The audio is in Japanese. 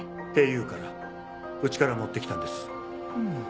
言うからうちから持ってきたんです。